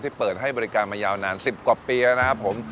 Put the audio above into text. เปิดให้บริการมายาวนาน๑๐กว่าปีแล้วนะครับผม